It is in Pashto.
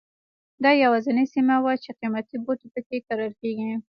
دا یوازینۍ سیمه وه چې قیمتي بوټي په کې کرل کېدل.